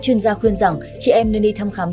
chuyên gia khuyên rằng chị em nên đi thăm khám